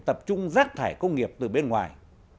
tập trung rác thải công nghiệp từ bên ngoài